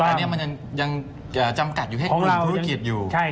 อันนี้มันยังจำกัดอยู่แค่กลุ่มธุรกิจอยู่